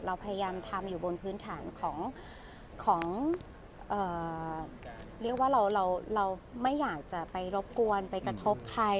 เราพยายามทำอยู่บนพื้นฐานของเรียกว่าเราไม่อยากจะไปรบกวนไปกระทบใคร